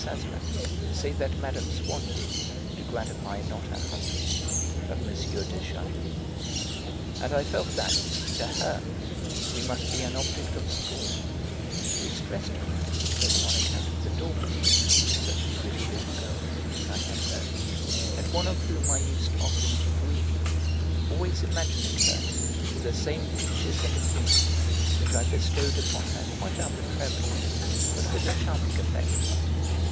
Sazerat, say that Mme. Swann did, to gratify not her husband but M. de Charlus; and I felt that, to her, we must be an object of scorn, which distressed me particularly on account of the daughter, such a pretty little girl, as I had heard, and one of whom I used often to dream, always imagining her with the same features and appearance, which I bestowed upon her quite arbitrarily, but with a charming effect.